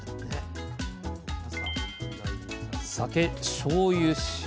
酒しょうゆ塩。